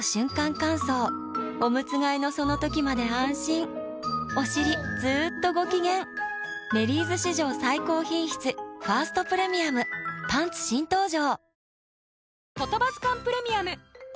乾燥おむつ替えのその時まで安心おしりずっとご機嫌「メリーズ」史上最高品質「ファーストプレミアム」パンツ新登場！